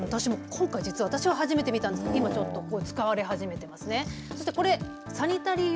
今回、私は初めて見たんですが今ちょっと使われ始めていますね。